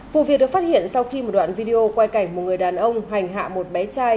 vụ việc được phát hiện sau khi một đoạn video quay cảnh một người đàn ông hành hạ một bé trai